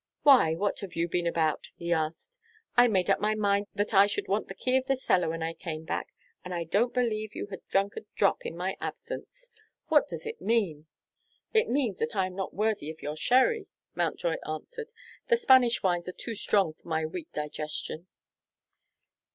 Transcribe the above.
"Why, what have you been about?" he asked. "I made up my mind that I should want the key of the cellar when I came back, and I don't believe you have drunk a drop in my absence. What does it mean?" "It means that I am not worthy of your sherry," Mountjoy answered. "The Spanish wines are too strong for my weak digestion."